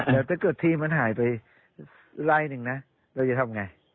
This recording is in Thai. แล้วถ้าเกิดที่มันหายไปไล่หนึ่งนะเราจะทำไง